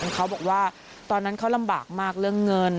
เขาบอกว่าตอนนั้นเขาลำบากมากเรื่องเงิน